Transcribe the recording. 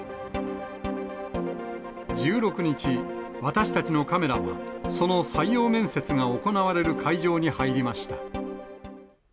１６日、私たちのカメラは、その採用面接が行われる会場に入りました。